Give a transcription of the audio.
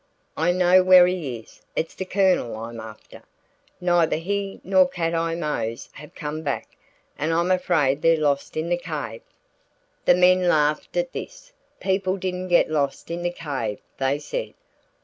"I know where he is. It's the Colonel I'm after. Neither he nor Cat Eye Mose have come back, and I'm afraid they're lost in the cave." The men laughed at this. People didn't get lost in the cave, they said.